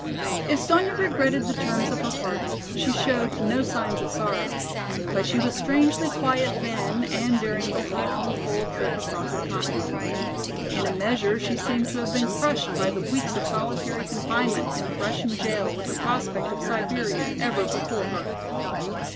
If Sonya regretted the terms of her pardon, she showed no signs of sorrow. But she was strangely quiet then and during the long, cold trip across the continent. In a measure she seemed to have been crushed by the weeks of solitary confinement in the Russian jail with the prospect of Siberia ever before her.